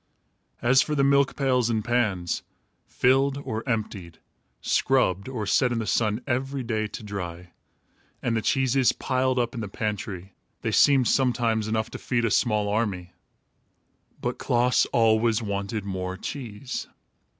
As for the milk pails and pans, filled or emptied, scrubbed or set in the sun every day to dry, and the cheeses, piled up in the pantry, they seemed sometimes enough to feed a small army. But Klaas always wanted more cheese.